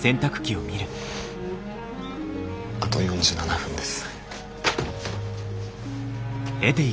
あと４７分です。